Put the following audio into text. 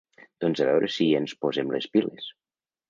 Doncs a veure si ens posem les piles.